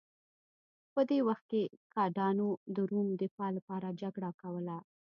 په دې وخت کې ګاټانو د روم دفاع لپاره جګړه کوله